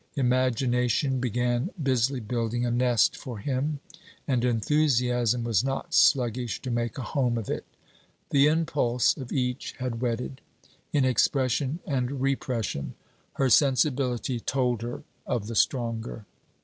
Imagination began busily building a nest for him, and enthusiasm was not sluggish to make a home of it. The impulse of each had wedded; in expression and repression; her sensibility told her of the stronger.